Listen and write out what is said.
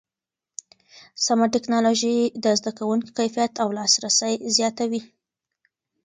سمه ټکنالوژي د زده کړې کیفیت او لاسرسی زیاتوي.